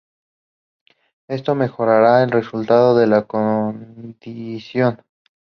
Esto mejorará el resultado de la condición.